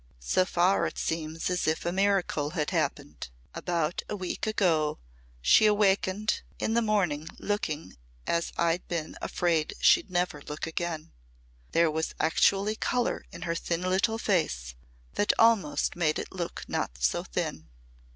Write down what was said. So far it seems as if a miracle had happened. About a week ago she wakened in the morning looking as I'd been afraid she'd never look again. There was actually colour in her thin little face that almost made it look not so thin.